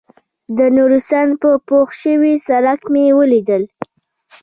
د نورستان په پوخ شوي سړک مې وليدل.